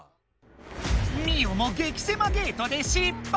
ミオも激せまゲートで失敗。